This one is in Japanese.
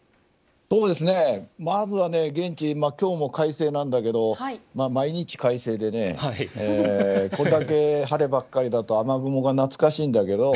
まずは、現地今日も快晴なんだけどもう、毎日快晴でこれだけ晴ればっかりだと雨雲が懐かしいんだけど。